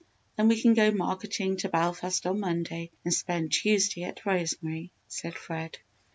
Then we can go marketing to Belfast on Monday, and spend Tuesday at Rosemary," said Fred.